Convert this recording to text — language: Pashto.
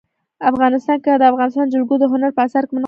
افغانستان کې د افغانستان جلکو د هنر په اثار کې منعکس کېږي.